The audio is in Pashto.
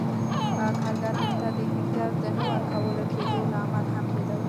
کارګرانو ته د امتیاز د نه ورکول کېدو لامل هم کېده.